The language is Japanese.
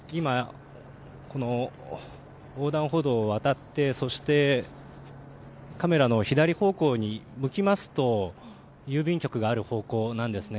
この横断歩道を渡って、そしてカメラの左方向に向きますと郵便局がある方向なんですね。